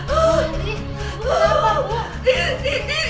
di di di itu sus